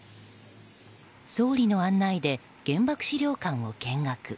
総理の案内で原爆資料館を見学。